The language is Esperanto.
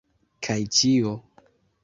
Kaj ĉio.